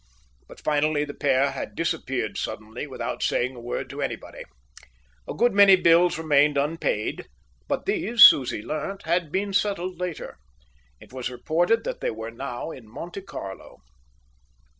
But finally the pair had disappeared suddenly without saying a word to anybody. A good many bills remained unpaid, but these, Susie learnt, had been settled later. It was reported that they were now in Monte Carlo.